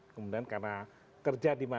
kemudian karena kerja di mana